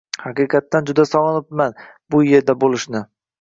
Haqiqatdan juda sog‘inibman bu yerda bo‘lishni.